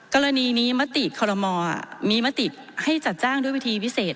กรณีนี้มติคอรมอมีมติให้จัดจ้างด้วยวิธีพิเศษ